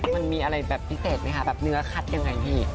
มันมีอะไรแบบพิเศษไหมคะแบบเนื้อคัดยังไงพี่